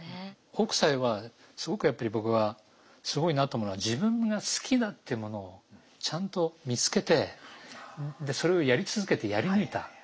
北斎はすごくやっぱり僕はすごいなと思うのは自分が好きだってものをちゃんと見つけてでそれをやり続けてやり抜いた。